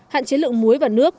hạn chế lượng muối và nước